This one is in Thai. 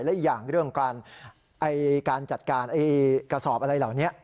และอีกอย่างเรื่องการจัดการกระสอบอะไรเหล่านี้